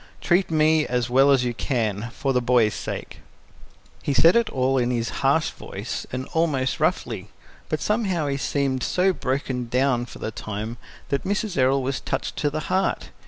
Treat me as well as you can, for the boy's sake." He said it all in his harsh voice, and almost roughly, but somehow he seemed so broken down for the time that Mrs. Errol was touched to the heart.